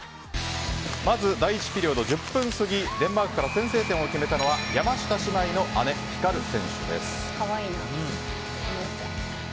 まず、第１ピリオド１０分過ぎデンマークから先制点を決めたのは山下姉妹の姉・光選手です。